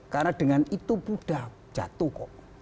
karena dengan itu buddha jatuh kok